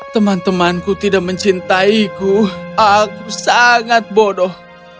teman temanku tidak mencintaiku aku sangat bodoh